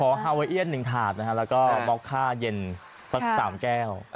ขอฮาเวียน๑ถาดนะครับแล้วก็ม็อกค่าเย็นสัก๓แก้ว